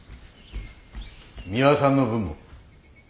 ミワさんの分も。